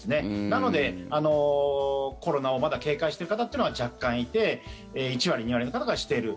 なので、コロナをまだ警戒している方というのは若干いて１割、２割の方がしてる。